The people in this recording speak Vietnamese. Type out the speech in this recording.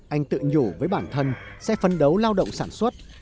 anh tự nhủ với bản thân sẽ phấn đấu lao động sản xuất